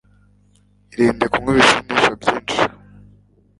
irinde kunywa ibisindisha byinshi